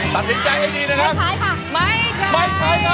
ตัดพลิกใจไอดีนะครับไม่ใช้ค่ะ